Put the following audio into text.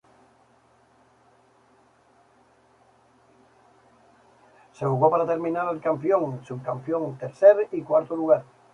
Se jugó para determinar al campeón, subcampeón, tercer y cuarto lugar.